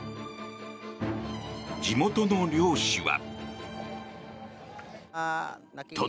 地元の漁師は。